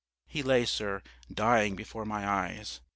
"He lay, sir, dying before my eyes.